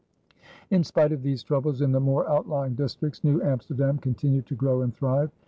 In spite of these troubles in the more outlying districts, New Amsterdam continued to grow and thrive.